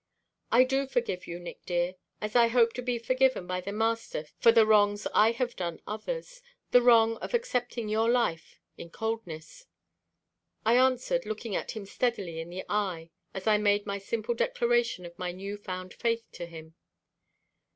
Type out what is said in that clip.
"I do forgive you, Nick dear, as I hope to be forgiven by the Master for the wrongs I have done others the wrong of accepting your life in coldness," I answered, looking him steadily in the eye as I made my simple declaration of my new found faith to him.